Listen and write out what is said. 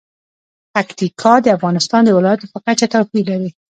پکتیکا د افغانستان د ولایاتو په کچه توپیر لري.